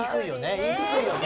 言いにくいよね。